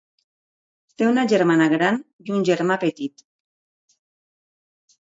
Té una germana gran i un germà petit.